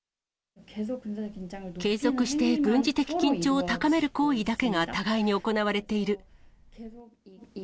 継続して軍事的緊張を高める行為だけが互いに行われている。